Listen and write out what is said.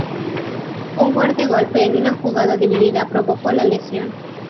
Un fuerte golpe en una jugada dividida provocó la lesión.